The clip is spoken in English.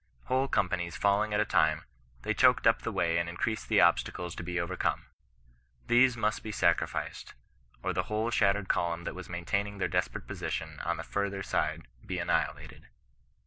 Whole companies falling at a time, they choked up the way and increased the obstacles to be overcome. These must be sacrificed, or the whole shattered column that was maintaining their desperate position on the farther side be annihilated.